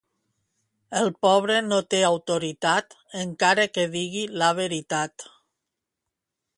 El pobre no té autoritat, encara que digui la veritat.